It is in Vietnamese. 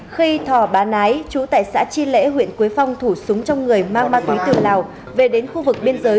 khi thò bá nái chú tại xã chi lễ huyện quế phong thủ súng trong người mang ma túy từ lào về đến khu vực biên giới